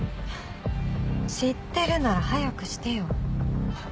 知ってるなら早くしてよ。